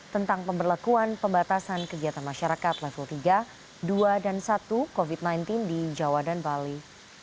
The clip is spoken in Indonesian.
tentang pemberlakuan pembatasan kegiatan masyarakat level tiga dua dan satu covid sembilan belas di jawa dan bali